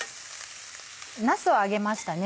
なすを揚げましたね